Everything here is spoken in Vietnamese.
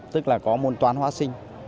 tức là có môn toán hóa sinh